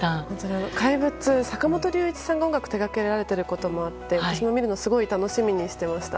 「怪物」、坂本龍一さんが音楽を手掛けられていることもあって私も見るのすごい楽しみにしていました。